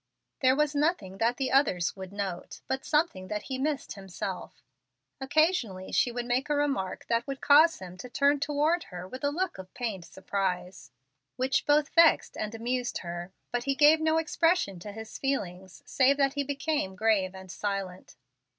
There was nothing that the others would note, but something that he missed himself. Occasionally, she would make a remark that would cause him to turn toward her with a look of pained surprise, which both vexed and amused her; but he gave no expression to his feelings, save that he became grave and silent.